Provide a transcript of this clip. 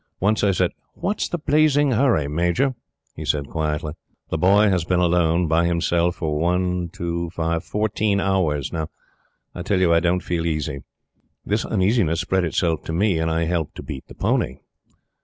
Once I said: "What's the blazing hurry, Major?" He said, quietly: "The Boy has been alone, by himself, for one, two, five fourteen hours now! I tell you, I don't feel easy." This uneasiness spread itself to me, and I helped to beat the pony.